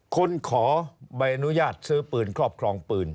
คุณขอใบอนุญาตซื้อปืนครอบครองปืน